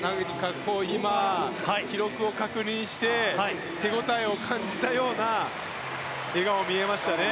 記録を確認して手応えを感じたような笑顔が見えましたね。